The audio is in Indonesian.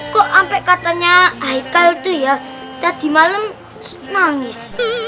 kok sampai katanya aikal tuh ya tadi malem nangis